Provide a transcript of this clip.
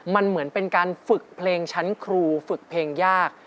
มันเหมือนเป็นการฝึกเพลงชั้นครูฝึกเพลงยาก